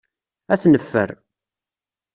Ad t-neffer.